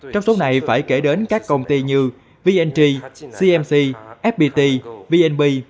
trong số này phải kể đến các công ty như vng cmc fpt vnb